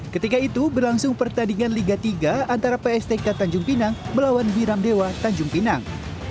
ketika itu berlangsung pertandingan liga tiga antara pstk tanjung pinang melawan biram dewa tanjung pinang